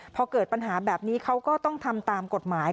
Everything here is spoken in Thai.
พอเกิดปัญหาแบบนี้เขาก็ต้องทำตามกฎหมาย